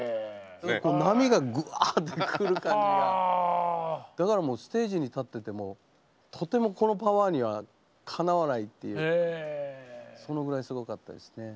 波がぐわっと来る感じがだからもうステージに立っててもとてもこのパワーにはかなわないっていうそのぐらいすごかったですね。